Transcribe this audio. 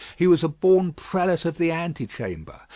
He was a born Prelate of the Antechamber.